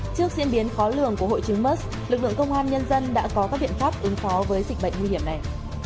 trước diễn biến khó lường của hội chứng mers lực lượng công an nhân dân đã có các biện pháp ứng phó với dịch bệnh nguy hiểm này